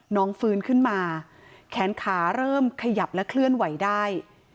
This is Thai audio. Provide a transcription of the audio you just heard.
น้องฟื้นขึ้นมาแขนขาเริ่มขยับและเคลื่อนไหวได้